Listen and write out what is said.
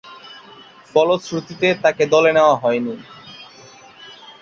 ফলশ্রুতিতে, তাকে দলে নেয়া হয়নি।